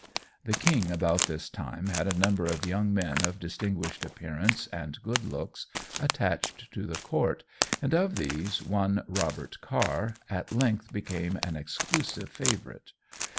The King about this time had a number of young men of distinguished appearance and good looks attached to the court, and of these, one Robert Carr, at length became an exclusive favourite.